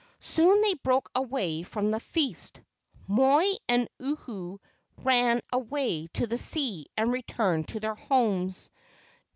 Soon they broke away from the feast. Moi and Uhu ran away to the sea and returned to their homes.